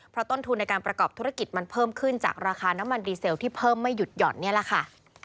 เพราะต้นทุนในการประกอบธุรกิจมันเพิ่มขึ้นจากราคาน้ำมันดีเซลที่เพิ่มไม่หยุดหย่อนนี่แหละค่ะ